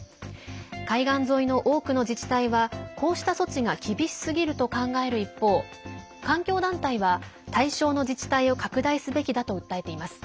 海岸沿いの多くの自治体はこうした措置が厳しすぎると考える一方環境団体は、対象の自治体を拡大すべきだと訴えています。